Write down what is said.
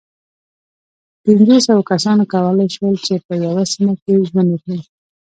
پينځو سوو کسانو کولی شول، چې په یوه سیمه کې ژوند وکړي.